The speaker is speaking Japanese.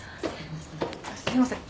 すみません。